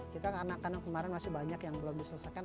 kita karena kemarin masih banyak yang belum diselesaikan